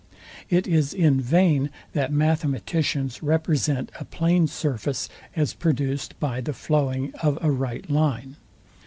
It is in vain, that mathematicians represent a plain surface as produced by the flowing of a right line.